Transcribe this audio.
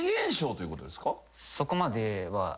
そこまでは。